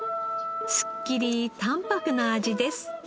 すっきり淡泊な味です。